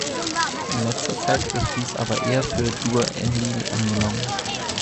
In letzter Zeit wird dies aber eher für Dur-Enlil angenommen.